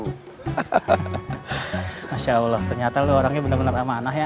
masya allah ternyata orangnya benar benar amanah ya